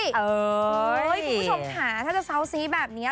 คุณผู้ชมค่ะถ้าจะเซาซีแบบนี้